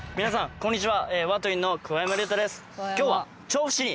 こんにちは。